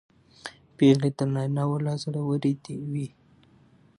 پېغلې تر نارینه و لا زړورې وې.